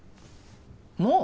もう？